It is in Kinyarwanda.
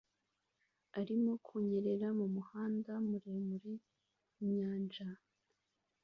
arimo kunyerera mu muhanda muremure inyanja